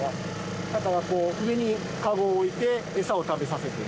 だから上にカゴを置いてエサを食べさせてる。